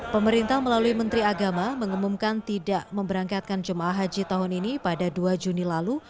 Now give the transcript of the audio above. pemerintah melalui menteri agama mengumumkan tidak memberangkatkan jemaah haji tahun ini pada dua juni lalu